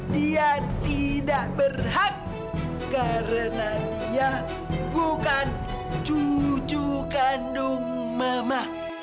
dia tidak berhak karena dia bukan cucu kandung mama